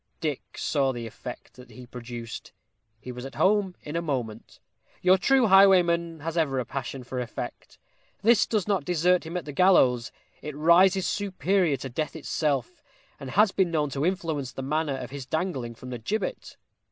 Dick saw the effect that he produced. He was at home in a moment. Your true highwayman has ever a passion for effect. This does not desert him at the gallows; it rises superior to death itself, and has been known to influence the manner of his dangling from the gibbet!